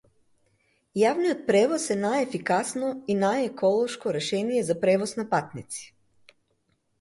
Јавниот превоз е најефикасно и најеколошко решение за превоз на патници.